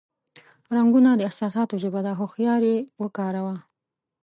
رنگونه د احساساتو ژبه ده، هوښیار یې وکاروه.